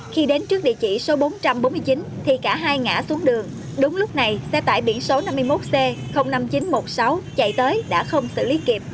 khi đến trước địa chỉ số bốn trăm bốn mươi chín thì cả hai ngã xuống đường đúng lúc này xe tải biển số năm mươi một c năm nghìn chín trăm một mươi sáu chạy tới đã không xử lý kịp